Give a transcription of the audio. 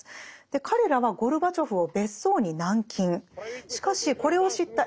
彼らはゴルバチョフを別荘に軟禁。